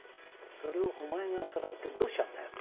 それをお前がさらってどうしちゃうんだよ？